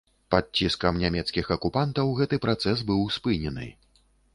Пад ціскам нямецкіх акупантаў гэты працэс быў спынены.